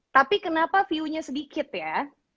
tapi kenapa view nya sedikit ya